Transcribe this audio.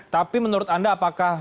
tapi menurut anda apakah